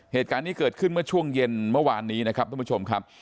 เหตุการณ์นี้เกิดขึ้นเมื่อช่วงเย็นเมื่อวานนี้นะครับท่านผู้ชมครับ